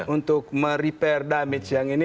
untuk merepair damage yang ini